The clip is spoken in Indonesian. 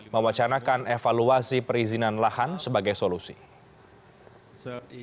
mewacanakan evaluasi perizinan lahan sebagai solusi